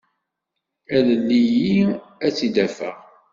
Alel-iyi ad tt-id-afeɣ.